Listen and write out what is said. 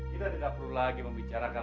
kita tidak perlu lagi membicarakan